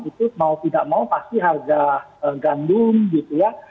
itu mau tidak mau pasti harga gandum gitu ya